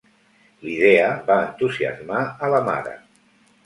L'idea va entusiasmar a la mare.